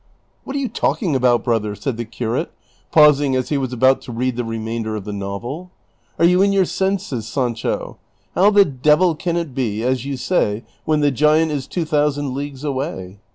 " What are you talking about, brother ?" said the curate, pausing as he was about to read the remainder of the novel. " Are yon in yoiir senses, Sancho ? How the devil can it be as you say, when the giant is two thousand leagues away